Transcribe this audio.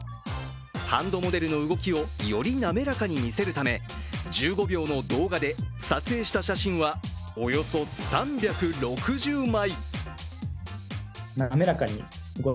ハンドモデルの動きをより滑らかに見せるため、１５秒の動画で、撮影した写真はおよそ３６０枚。